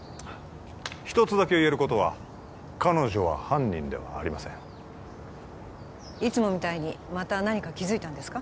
一つだけ言えることは彼女は犯人ではありませんいつもみたいにまた何か気づいたんですか？